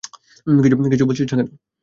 কিছু বলছিস না কেন?